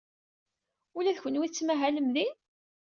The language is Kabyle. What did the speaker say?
Ula d kenwi tettmahalem din?